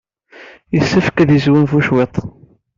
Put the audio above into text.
Yessefk ad yesgunfu cwiṭ.